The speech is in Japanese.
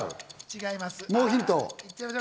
違います。